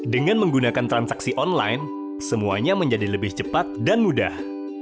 dengan menggunakan transaksi online semuanya menjadi lebih cepat dan mudah